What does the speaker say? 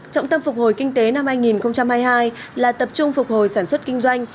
trọng tâm phục hồi kinh tế năm hai nghìn hai mươi hai là tập trung phục hồi sản xuất kinh doanh